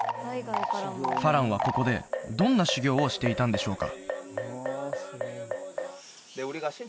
花郎はここでどんな修行をしていたんでしょうか？